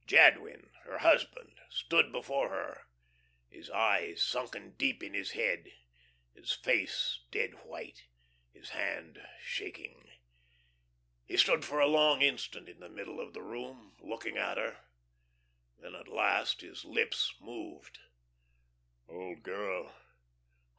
Jadwin, her husband, stood before her, his eyes sunken deep in his head, his face dead white, his hand shaking. He stood for a long instant in the middle of the room, looking at her. Then at last his lips moved: "Old girl....